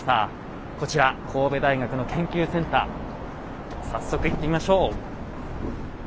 こちら神戸大学の研究センター早速行ってみましょう。